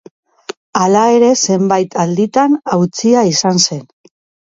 Hala ere, zenbait alditan hautsia izan zen.